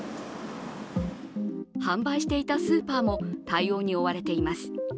販売していたスーパーも対応に追われています。